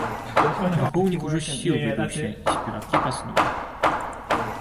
Духоўнік ужо з сіл выбіўся і спевакі паснулі!